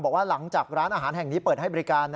บอกว่าหลังจากร้านอาหารแห่งนี้เปิดให้บริการ